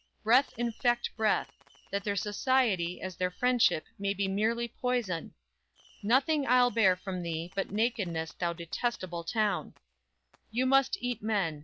Breath infect breath; That their society, as their friendship, may Be merely poison! Nothing I'll bear from thee, But nakedness, thou detestable town!_ _You must eat men.